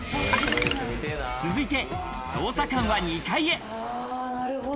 続いて捜査官は２階へ。